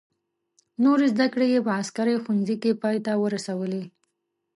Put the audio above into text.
نورې زده کړې یې په عسکري ښوونځي کې پای ته ورسولې.